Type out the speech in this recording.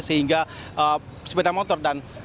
sehingga sepeda motor dan